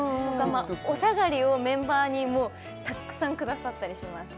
お下がりをメンバーにもうたっくさんくださったりします